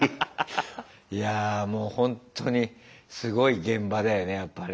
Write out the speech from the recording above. いやぁもうほんとにすごい現場だよねやっぱね。